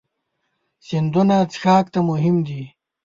سیندونه څښاک ته مهم دي.